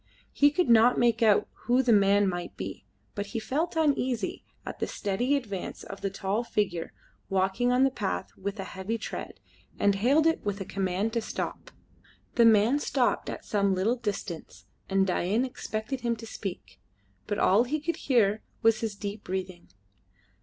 He could not make out who the man might be, but he felt uneasy at the steady advance of the tall figure walking on the path with a heavy tread, and hailed it with a command to stop. The man stopped at some little distance, and Dain expected him to speak, but all he could hear was his deep breathing.